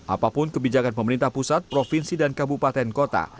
apapun kebijakan pemerintah pusat provinsi dan kabupaten kota